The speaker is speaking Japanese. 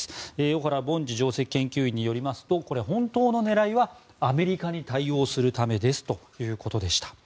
小原凡司上席研究員によりますと本当の狙いはアメリカに対応するためですということでした。